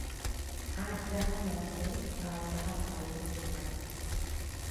আজ যাহা মন্দ, কাল তাহা ভাল হইতে পারে।